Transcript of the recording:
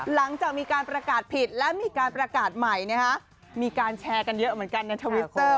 หลังจากมีการประกาศผิดและมีการประกาศใหม่มีการแชร์กันเยอะเหมือนกันในทวิตเตอร์